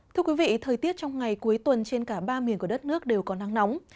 thưa quý vị thời tiết trong ngày cuối tuần trên cả ba miền của đất nước đều có nắng nóng